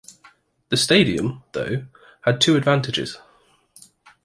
The stadium, though, had two advantages.